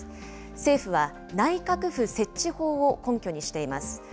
政府は、内閣府設置法を根拠にしています。